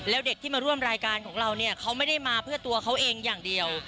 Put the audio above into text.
แล้วเด็กที่มาร่วมรายการของเราเนี่ยเขาไม่ได้มาเพื่อตัวเขาเองอย่างเดียว